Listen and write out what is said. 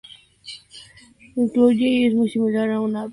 Concluye que "es muy similar a un ave, pero aún no lo es".